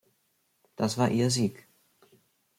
Dies war Ihr Sieg.